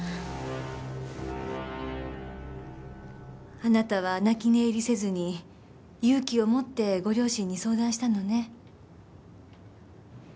あなたは泣き寝入りせずに勇気を持ってご両親に相談したのね。